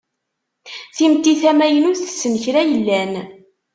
Timetti tamaynut tessen kra yellan.